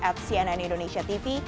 at cnn indonesia tv